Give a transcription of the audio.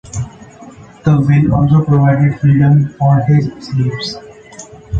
The will also provided freedom for his slaves.